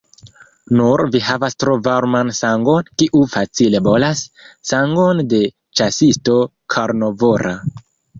Nur, vi havas tro varman sangon, kiu facile bolas: sangon de ĉasisto karnovora.